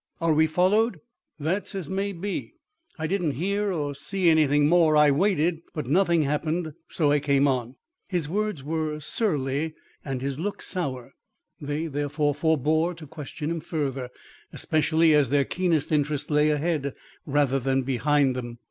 Are we followed?" "That's as may be. I didn't hear or see anything more. I waited, but nothing happened, so I came on." His words were surly and his looks sour; they, therefore, forebore to question him further, especially as their keenest interest lay ahead, rather than behind them.